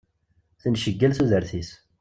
Tenceggal tudert-is.